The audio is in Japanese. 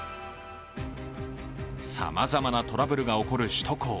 さまざまなトラブルが起こる首都高。